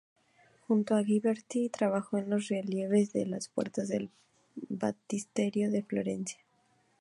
Junto a Ghiberti trabajó en los relieves de las puertas del baptisterio de Florencia.